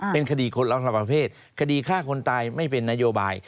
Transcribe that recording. เป็นคดีคนและประเภทคดีฆ่าคนตายไม่เป็นนโยบาย